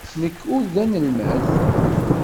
Nekk ur d tanelmadt.